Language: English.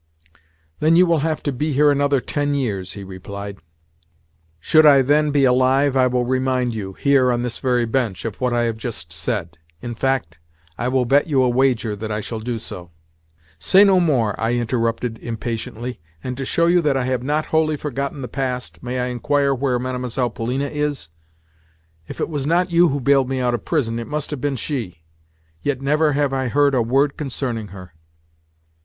"Then you will have to be here another ten years," he replied. "Should I then be alive, I will remind you—here, on this very bench—of what I have just said. In fact, I will bet you a wager that I shall do so." "Say no more," I interrupted impatiently. "And to show you that I have not wholly forgotten the past, may I enquire where Mlle. Polina is? If it was not you who bailed me out of prison, it must have been she. Yet never have I heard a word concerning her."